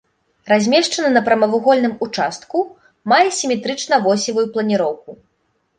Размешчаны на прамавугольным участку, мае сіметрычна-восевую планіроўку.